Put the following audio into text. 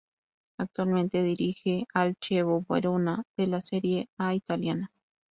Actualmente dirige al Chievo Verona de la Serie A italiana.